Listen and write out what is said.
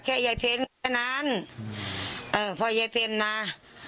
ถ้ามันจะเราม่อนขึ้นค่ะ